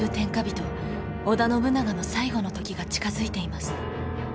織田信長の最期の時が近づいています。